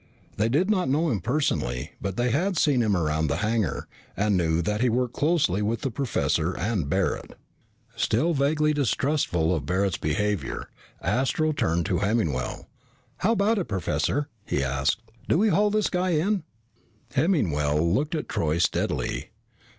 They did not know him personally but had seen him around the hangar and knew that he worked closely with the professor and Barret. Still vaguely distrustful of Barret's behavior, Astro turned to Hemmingwell. "How about it, Professor?" he asked. "Do we haul this guy in?" Hemmingwell looked at Troy steadily.